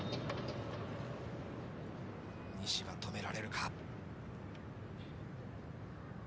西は止められるか？